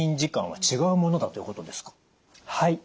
はい。